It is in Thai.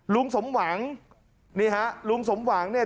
ลุงสมหวังนี่ฮะลุงสมหวังเนี่ย